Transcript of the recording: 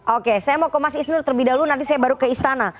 oke saya mau ke mas isnur terlebih dahulu nanti saya baru ke istana